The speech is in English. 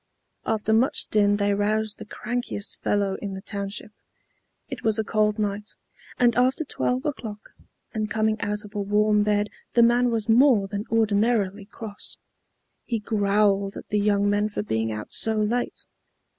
After much din they roused the crankiest fellow in the township. It was a cold night, and after 12 o'clock, and coming out of a warm bed the man was more than ordinarily cross. He growled at the young men for being out so late.